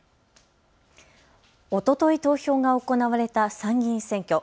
おととい投票が行われた参議院選挙。